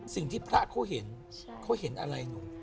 สิ่งที่พระเขาเห็นเขาเห็นอะไรหนู